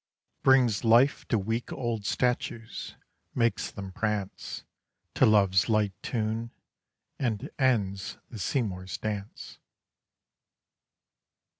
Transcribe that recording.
_Brings life to week old statues; makes them prance To love's light tune and ends the Seymours' dance.